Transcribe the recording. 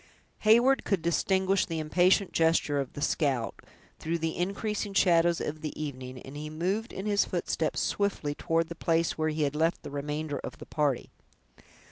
Heyward could distinguish the impatient gesture of the scout, through the increasing shadows of the evening, and he moved in his footsteps, swiftly, toward the place where he had left the remainder of the party.